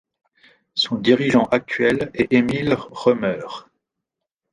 Son dirigeant actuel est Emile Roemer.